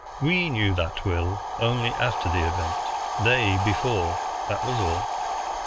We knew that will only after the event, they before, that was all.